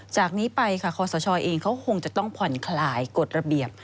จากนี้ไปค่ะคอสชเองเขาคงจะต้องผ่อนคลายกฎระเบียบ